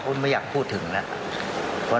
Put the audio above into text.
มันมีโอกาสเกิดอุบัติเหตุได้นะครับ